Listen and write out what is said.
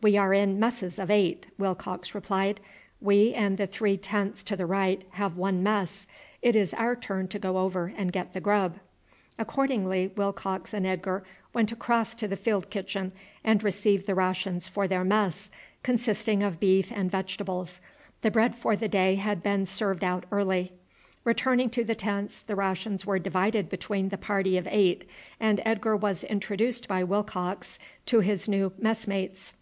"We are in messes of eight," Willcox replied. "We and the three tents to the right have one mess. It is our turn to go over and get the grub." Accordingly Willcox and Edgar went across to the field kitchen and received the rations for their mess, consisting of beef and vegetables the bread for the day had been served out early. Returning to the tents the rations were divided between the party of eight, and Edgar was introduced by Willcox to his new messmates.